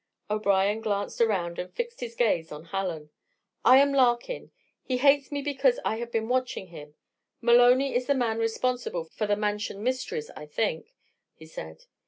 O'Brien glanced around and fixed his gaze on Hallen. "I am Larkin. He hates me because I have been watching him. Maloney is the man responsible for the Mansion mysteries, I think," he said.